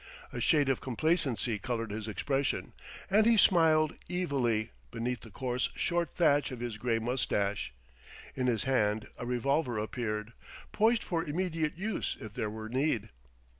A shade of complacency colored his expression, and he smiled evilly beneath the coarse short thatch of his gray mustache. In his hand a revolver appeared, poised for immediate use if there were need.